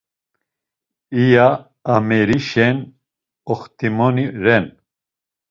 İya amerişen oxtimoni ren.